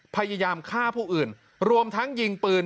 พยายามฆ่าผู้อื่นรวมทั้งยิงปืน